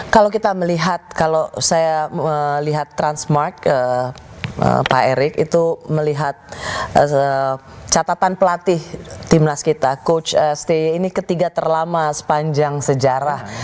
kalau kita melihat kalau saya melihat transmart pak erik itu melihat catatan pelatih timnas kita coach stay ini ketiga terlama sepanjang sejarah